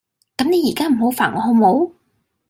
咁你依家唔好煩我好冇